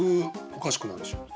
おかしくなるでしょう。